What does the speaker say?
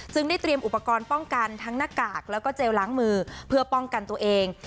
ได้เตรียมอุปกรณ์ป้องกันทั้งหน้ากากแล้วก็เจลล้างมือเพื่อป้องกันตัวเอง